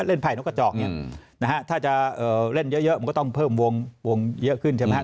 ไ่นกกระจอกเนี่ยนะฮะถ้าจะเล่นเยอะมันก็ต้องเพิ่มวงเยอะขึ้นใช่ไหมครับ